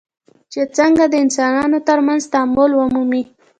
چې څنګه د انسانانو ترمنځ تعامل ومومي.